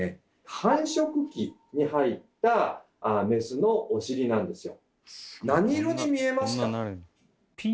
繁殖期に入ったメスのお尻なんですよ。